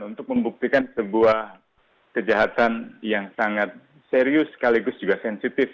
untuk membuktikan sebuah kejahatan yang sangat serius sekaligus juga sensitif